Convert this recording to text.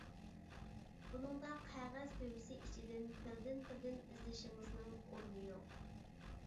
بۇنىڭدا قەغەز دۆۋىسى ئىچىدىن بىردىن بىردىن ئىزدىشىڭىزنىڭ ئورنى يوق.